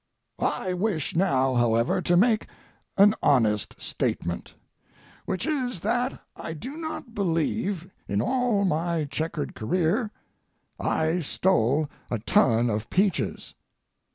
I wish now, however, to make an honest statement, which is that I do not believe, in all my checkered career, I stole a ton of peaches.